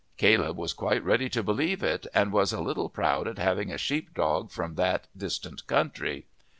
Caleb was quite ready to believe it, and was a little proud at having a sheep dog from that distant country.